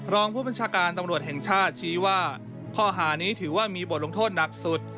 รองผู้บัญชาการตำรวจแห่งชาติชี้ว่าข้อหานี้ถือว่ามีบทลงโทษหนักสุด